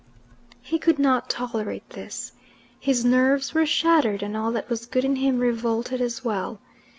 He could not tolerate this. His nerves were shattered, and all that was good in him revolted as well.